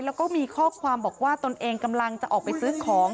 แล้วก็มีข้อความบอกว่าตนเองกำลังจะออกไปซื้อของ